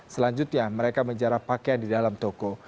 selanjutnya mereka menjarak pakaian di dalam toko